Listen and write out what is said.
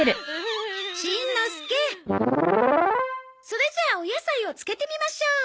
それじゃあお野菜を漬けてみましょう。